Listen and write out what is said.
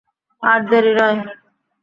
আর দেরী নয়।